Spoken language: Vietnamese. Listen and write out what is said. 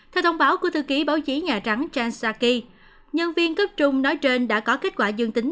theo thông báo của thư ký báo chí nhà trắng chan saki nhân viên cấp trung nói trên đã có kết quả dương tính